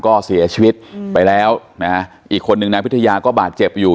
ก็เสียชีวิตไปแล้วนะฮะอีกคนนึงนายพิทยาก็บาดเจ็บอยู่